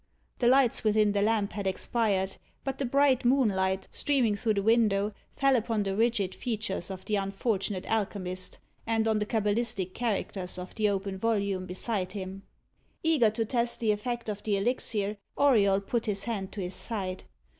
The lights within the lamp had expired; but the bright moonlight, streaming through the window, fell upon the rigid features of the unfortunate alchemist, and on the cabalistic characters of the open volume beside him. Eager to test the effect of the elixir, Auriol put his hand to his side.